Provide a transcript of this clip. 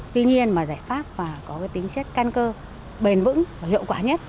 tuy nhiên giải pháp có tính chất căn cơ bền vững và hiệu quả nhất